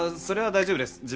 それは大丈夫です。